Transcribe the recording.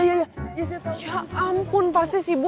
ya ampun pasti si bu